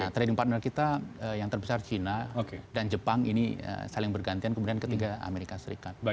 trading partner yang terbesar china dan jepang saling bergantian no kemudian yang ketiga amerika serikat